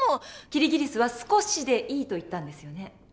キリギリスは少しでいいと言ったんですよね？